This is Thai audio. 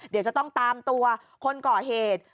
เดี๋ยวจะต้องตามตัวคนก่อเหตุ